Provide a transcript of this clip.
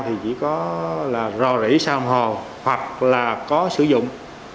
thì chỉ có là rò rỉ xa hồng hồ hoặc là có sử dụng